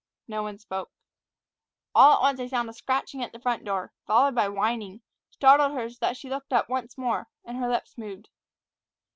No one spoke. All at once a sound of scratching at the front door, followed by whining, startled her so that she looked up once more, and her lips moved.